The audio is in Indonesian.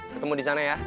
ketemu disana ya